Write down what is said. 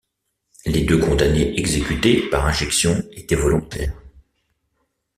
Les deux condamnés exécutés par injection étaient volontaires.